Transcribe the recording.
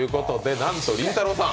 なんとりんたろーさん。